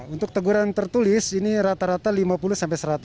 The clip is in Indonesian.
untuk teguran tertulis ini rata rata lima puluh sampai seratus